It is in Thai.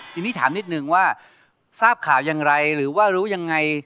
ทีนี้ถามนิดนึงว่าทราบข่าวอย่างไรหรือว่ารู้ยังไง